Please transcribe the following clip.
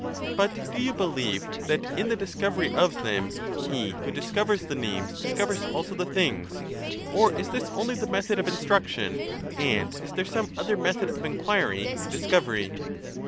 But do you believe that in the discovery of them, he who discovers the names discovers also the things ; or is this only the method of instruction, and is there some other method of enquiry and discovery.